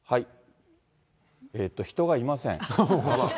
人がいません。